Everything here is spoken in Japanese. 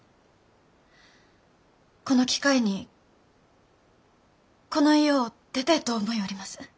この機会にこの家を出てえと思ようります。